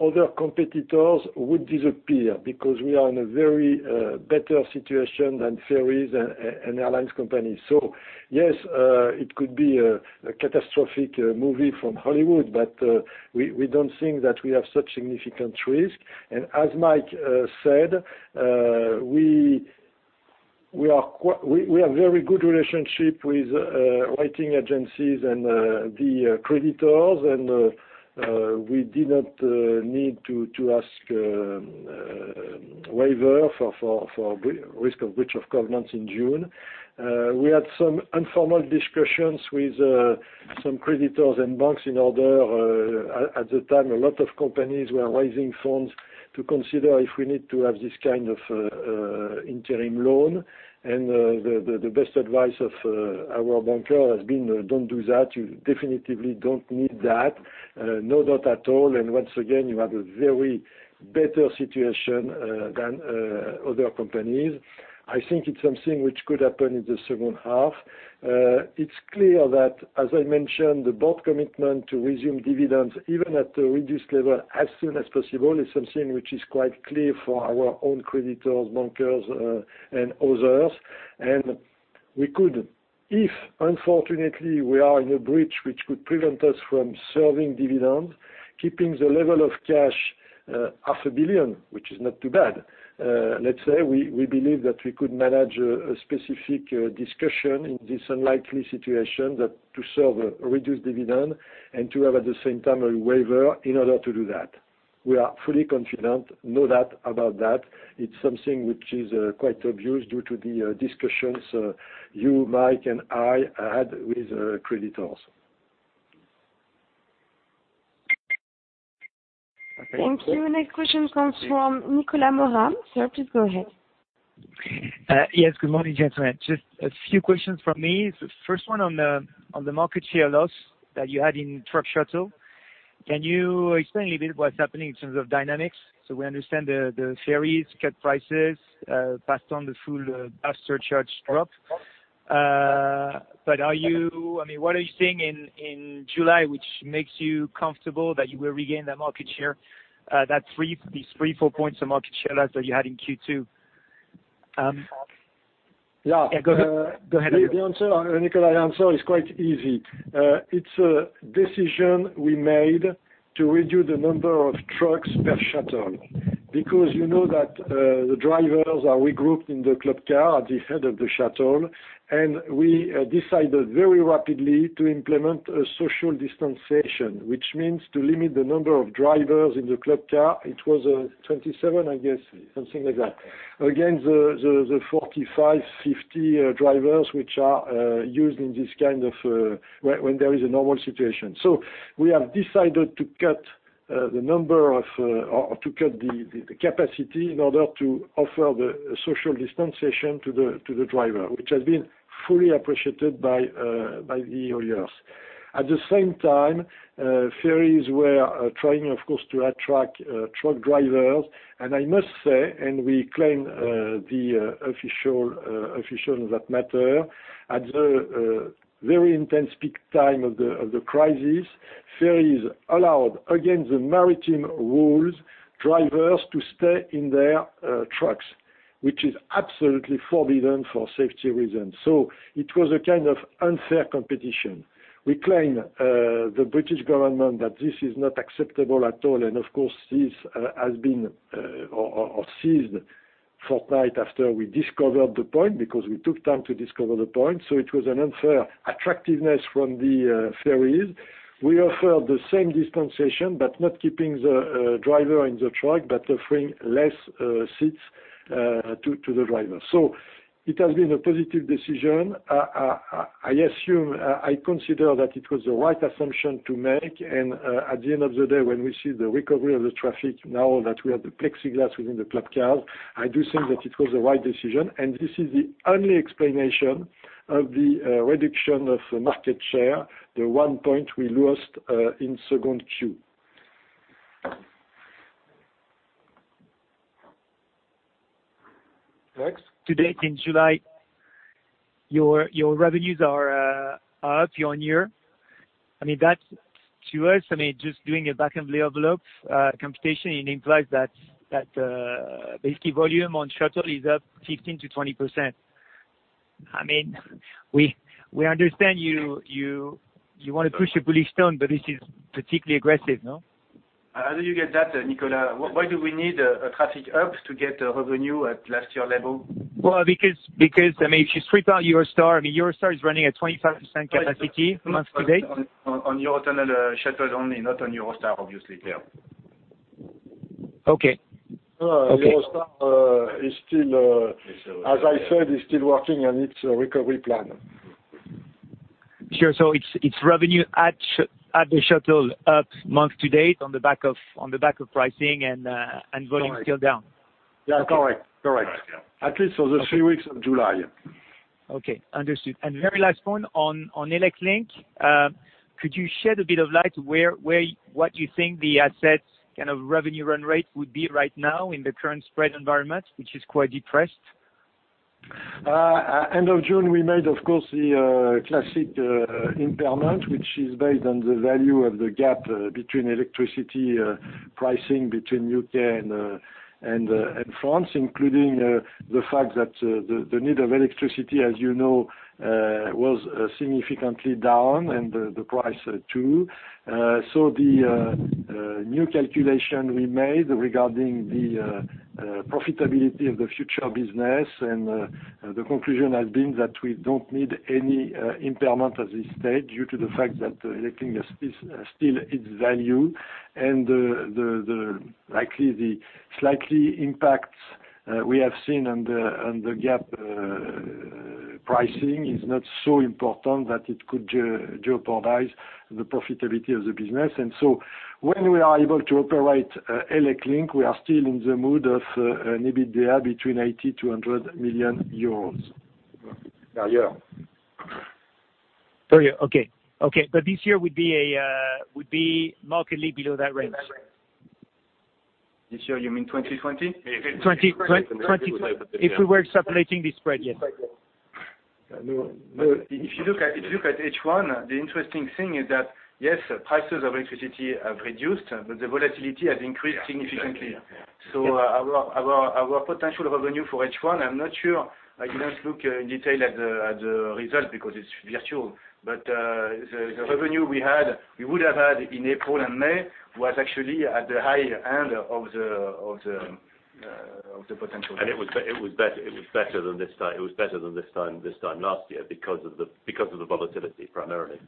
B: other competitors would disappear, because we are in a very better situation than ferries and airlines companies. Yes, it could be a catastrophic movie from Hollywood, but we don't think that we have such significant risk. As Mike said, we have very good relationship with rating agencies and the creditors, and we did not need to ask waiver for risk of breach of covenants in June. We had some informal discussions with some creditors and banks in order, at the time, a lot of companies were raising funds to consider if we need to have this kind of interim loan. The best advice of our banker has been, "Don't do that. You definitely don't need that. No doubt at all. Once again, you have a very better situation than other companies. I think it's something which could happen in the second half. It's clear that, as I mentioned, the board commitment to resume dividends even at a reduced level as soon as possible is something which is quite clear for our own creditors, bankers, and others. We could, if unfortunately we are in a breach which could prevent us from serving dividends, keeping the level of cash EUR half a billion, which is not too bad. Let's say, we believe that we could manage a specific discussion in this unlikely situation, that to serve a reduced dividend and to have, at the same time, a waiver in order to do that. We are fully confident, no doubt about that. It's something which is quite obvious due to the discussions you, Mike, and I had with creditors.
A: Thank you. Next question comes from Nicolas Mora. Sir, please go ahead.
O: Yes, good morning, gentlemen. Just a few questions from me. The first one on the market share loss that you had in truck shuttle. Can you explain a little bit what's happening in terms of dynamics? We understand the ferries cut prices, passed on the full bunker surcharge drop. What are you seeing in July, which makes you comfortable that you will regain that market share, these three, four points of market share loss that you had in Q2?
B: Yeah.
O: Go ahead.
B: The answer, Nicolas, is quite easy. It's a decision we made to reduce the number of trucks per shuttle. Because you know that the drivers are regrouped in the Club Car at the head of the shuttle, and we decided very rapidly to implement a social distanciation, which means to limit the number of drivers in the Club Car. It was 27, I guess, something like that. Again, the 45, 50 drivers, which are used when there is a normal situation. We have decided to cut the capacity in order to offer the social distanciation to the driver, which has been fully appreciated by the hauliers. At the same time, ferries were trying, of course, to attract truck drivers. I must say, and we claim the officials that matter, at the very intense peak time of the crisis, ferries allowed, against the maritime rules, drivers to stay in their trucks, which is absolutely forbidden for safety reasons. It was a kind of unfair competition. We claim the British government that this is not acceptable at all. Of course, this has been or ceased fortnight after we discovered the point, because we took time to discover the point. It was an unfair attractiveness from the ferries. We offer the same distanciation, but not keeping the driver in the truck, but offering less seats to the driver. It has been a positive decision. I consider that it was the right assumption to make, and at the end of the day, when we see the recovery of the traffic now that we have the plexiglass within the Club Cars, I do think that it was the right decision, and this is the only explanation of the reduction of market share, the one point we lost in Q2. Next.
O: To date in July, your revenues are up year-on-year. To us, just doing a back-of-the-envelope computation, it implies that basically volume on shuttle is up 15%-20%. We understand you want to push a bullish tone, but this is particularly aggressive, no?
F: How do you get that, Nicolas? Why do we need a traffic up to get revenue at last year level?
O: Well, because if you strip out Eurostar is running at 25% capacity month to date.
F: On Eurotunnel shuttles only, not on Eurostar, obviously, Pierre.
O: Okay.
B: Eurostar, as I said, is still working on its recovery plan.
O: Sure. It's revenue at the Shuttle up month-to-date on the back of pricing and volume still down.
B: Yeah. Correct. At least for the three weeks of July.
O: Okay. Understood. Very last one on ElecLink. Could you shed a bit of light what you think the assets kind of revenue run rate would be right now in the current spread environment, which is quite depressed?
B: End of June, we made, of course, the classic impairment, which is based on the value of the gap between electricity pricing between U.K. and France, including the fact that the need of electricity, as you know, was significantly down and the price too. The new calculation we made regarding the profitability of the future business and the conclusion has been that we don't need any impairment at this stage due to the fact that ElecLink is still its value and likely the slightly impacts we have seen on the gap pricing is not so important that it could jeopardize the profitability of the business. When we are able to operate ElecLink, we are still in the mood of EBITDA between EUR 80 million-EUR 100 million per year.
O: Per year. Okay. This year would be markedly below that range?
F: This year, you mean 2020?
O: 2020. If we were separating the spread, yes.
F: If you look at H1, the interesting thing is that, yes, prices of electricity have reduced, but the volatility has increased significantly. Our potential revenue for H1, I'm not sure. I didn't look in detail at the result because it's virtual, but the revenue we would have had in April and May was actually at the high end of the potential.
I: It was better than this time last year because of the volatility primarily,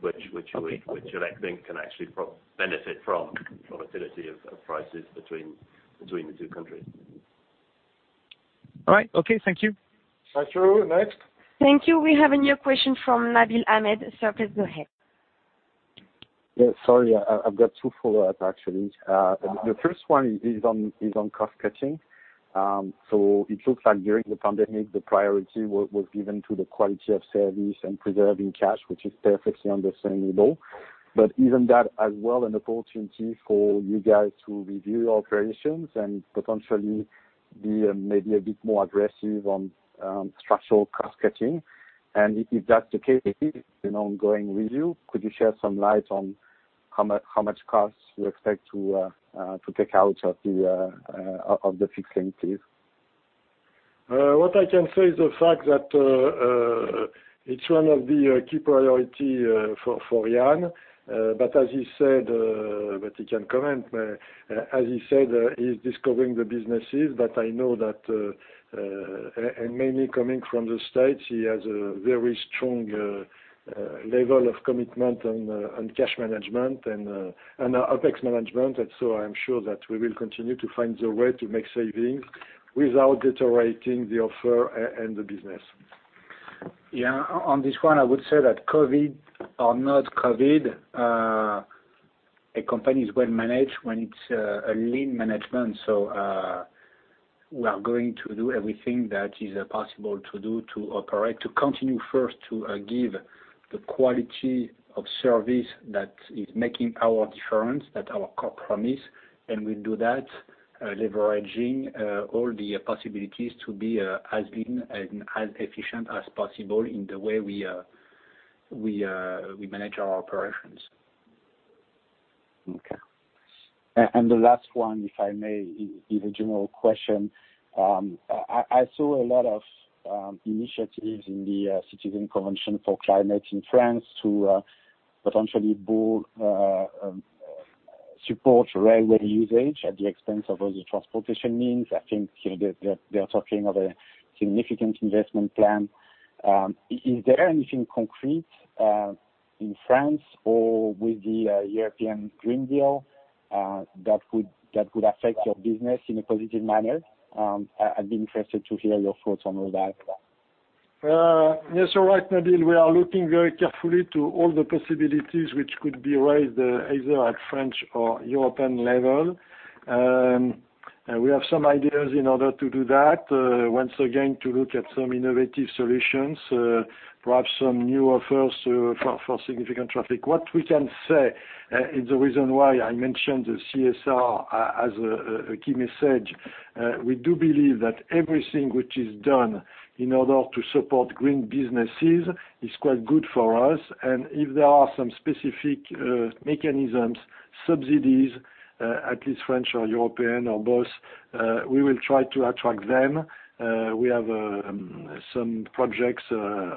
I: which ElecLink can actually benefit from volatility of prices between the two countries.
O: All right. Okay. Thank you.
B: Thank you. Next.
A: Thank you. We have a new question from Nabil Ahmed. Sir, please go ahead.
E: Yeah. Sorry, I've got two follow-ups, actually. The first one is on cost-cutting. It looks like during the pandemic, the priority was given to the quality of service and preserving cash, which is perfectly understandable. Isn't that as well an opportunity for you guys to review your operations and potentially be maybe a bit more aggressive on structural cost-cutting? If that's the case, an ongoing review, could you shed some light on how much costs you expect to take out of the Fixed Link fee?
B: What I can say is the fact that it's one of the key priority for Yann. He can comment, as he said, he's discovering the businesses, but I know that mainly coming from the U.S., he has a very strong level of commitment on cash management and OpEx management. I'm sure that we will continue to find the way to make savings without deteriorating the offer and the business.
C: Yeah. On this one, I would say that COVID or not COVID, a company is well managed when it's a lean management. We are going to do everything that is possible to do to operate, to continue first to give the quality of service that is making our difference, that our core promise, and we do that, leveraging all the possibilities to be as lean and as efficient as possible in the way we manage our operations.
E: Okay. The last one, if I may, is a general question. I saw a lot of initiatives in the Convention Citoyenne pour le Climat in France to potentially support railway usage at the expense of other transportation means. I think they are talking of a significant investment plan. Is there anything concrete in France or with the European Green Deal that could affect your business in a positive manner? I'd be interested to hear your thoughts on all that.
B: Yes. You're right, Nabil. We are looking very carefully to all the possibilities which could be raised either at French or European level. We have some ideas in order to do that, once again, to look at some innovative solutions, perhaps some new offers for significant traffic. What we can say is the reason why I mentioned the CSR as a key message. We do believe that everything which is done in order to support green businesses is quite good for us. If there are some specific mechanisms, subsidies, at least French or European or both, we will try to attract them. We have some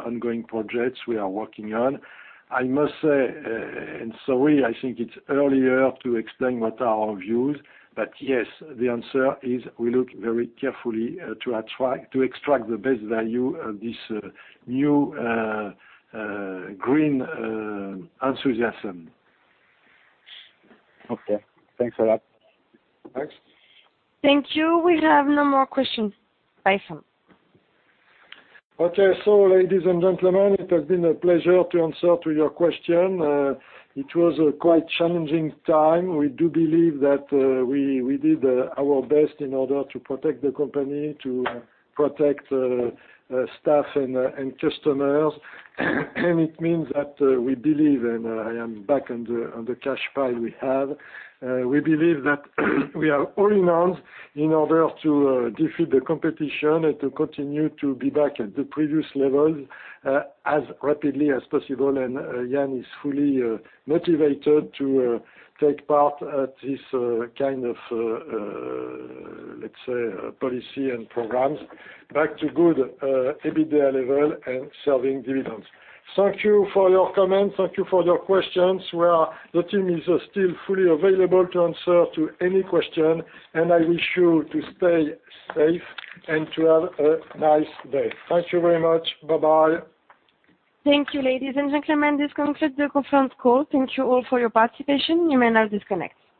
B: ongoing projects we are working on. I must say, and sorry, I think it's earlier to explain what are our views. Yes, the answer is we look very carefully to extract the best value of this new green enthusiasm.
E: Okay. Thanks a lot.
B: Thanks.
A: Thank you. We have no more questions. Bye for now.
B: Okay. Ladies and gentlemen, it has been a pleasure to answer to your question. It was a quite challenging time. We do believe that we did our best in order to protect the company, to protect staff and customers. It means that we believe, and I am back on the cash pile we have, we believe that we are all in arms in order to defeat the competition and to continue to be back at the previous levels as rapidly as possible. Yann is fully motivated to take part at this kind of, let's say, policy and programs back to good EBITDA level and serving dividends. Thank you for your comments. Thank you for your questions. Well, the team is still fully available to answer to any question, and I wish you to stay safe and to have a nice day. Thank you very much. Bye-bye.
A: Thank you, ladies and gentlemen. This concludes the conference call. Thank you all for your participation. You may now disconnect.